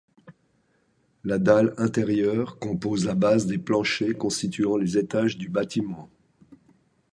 La dalle intérieure compose la base des planchers constituant les étages du bâtiment.